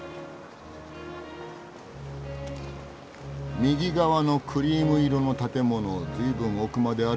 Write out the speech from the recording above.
右側のクリーム色の建物ずいぶん奥まである。